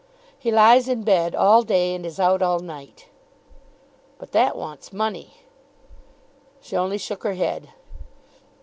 "He lies in bed all day, and is out all night." "But that wants money." She only shook her head.